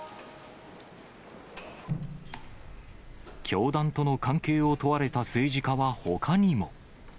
教団との関係を問われた政治家は、ほかにも。